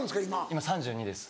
今３２です。